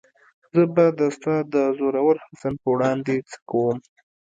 زه به د ستا د زورور حسن په وړاندې څه وم؟